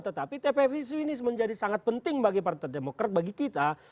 tetapi tpf itu ini menjadi sangat penting bagi partai demokrat bagi kita